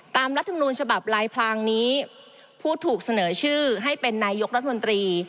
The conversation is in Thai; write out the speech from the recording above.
รัฐมนูลฉบับลายพลางนี้ผู้ถูกเสนอชื่อให้เป็นนายกรัฐมนตรี